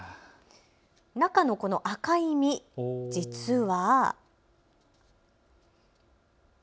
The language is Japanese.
中のこの赤い身、実は。